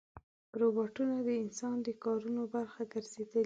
روباټونه د انسان د کارونو برخه ګرځېدلي دي.